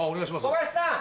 小林さん！